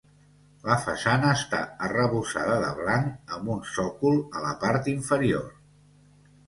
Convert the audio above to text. La façana està arrebossada de blanc amb un sòcol a la part inferior.